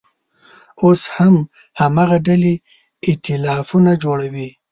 اوس هم هماغه ډلې اییتلافونه جوړوي.